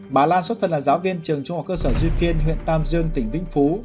bà lan xuất thân là giáo viên trường trung học cơ sở duy phiên huyện tam dương tỉnh vĩnh phú